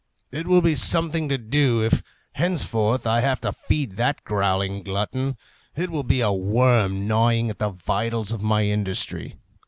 "It will be something to do if, henceforth, I have to feed that growing glutton. It will be a worm gnawing at the vitals of my industry."